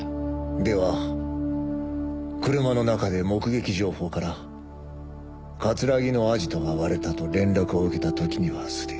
では車の中で目撃情報から桂木のアジトが割れたと連絡を受けた時にはすでに。